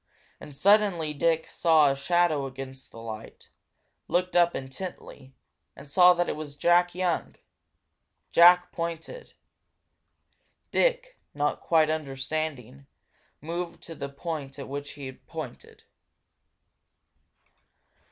And suddenly Dick saw a shadow against the light, looked up intently, and saw that is was Jack Young. Jack pointed. Dick, not quite understanding, moved to the point at which he pointed.